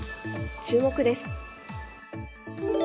注目です。